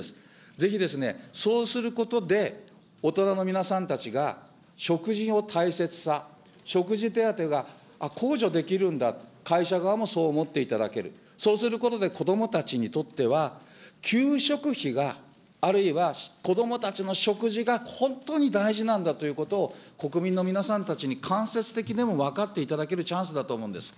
ぜひですね、そうすることで、大人の皆さんたちが食事の大切さ、食事手当がこうじょできるんだ、会社側もそう思っていただける、そうすることで子どもたちにとっては、給食費が、あるいは子どもたちの食事が本当に大事なんだということを、国民の皆さんたちに間接的でも分かっていただけるチャンスだと思うんです。